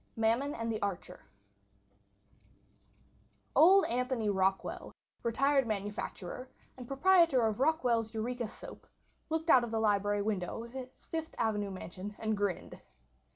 MAMMON AND THE ARCHER Old Anthony Rockwall, retired manufacturer and proprietor of Rockwall's Eureka Soap, looked out the library window of his Fifth Avenue mansion and grinned.